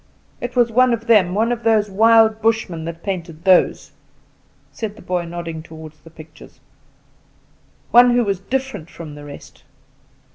It was one of them, one of these old wild Bushmen, that painted those," said the boy, nodding toward the pictures "one who was different from the rest.